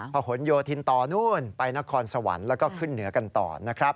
ผ่านหลวงโยธินตร์ไปนครสวรรค์แล้วก็ขึ้นเหนือกันต่อนะครับ